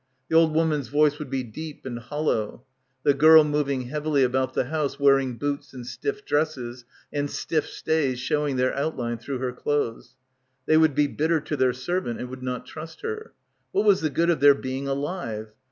The old woman's voice would be deep and hollow. ... The girl moving heavily about the house wearing boots and stiff dresses and stiff stays showing their outline through her clothes. They would be bit ter to their servant and would not trust her. What was tftie good of their being alive